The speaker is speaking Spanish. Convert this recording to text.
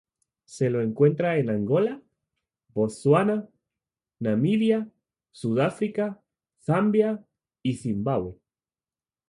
Se lo encuentra en Angola, Botsuana, Namibia, Sudáfrica, Zambia, y Zimbabwe.